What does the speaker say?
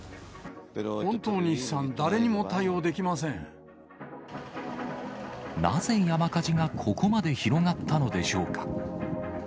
本当に悲惨、誰にも対応できなぜ山火事がここまで広がったのでしょうか。